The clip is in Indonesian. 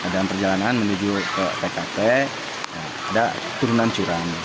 dalam perjalanan menuju ke pkp ada turunan jurang